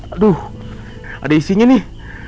aduh ada isinya nih